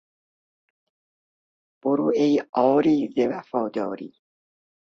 برو ای عاری ز وفاداری...